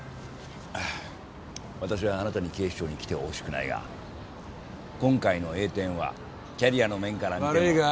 私はあなたに警視庁に来てほしくないが今回の栄転はキャリアの面から見ても。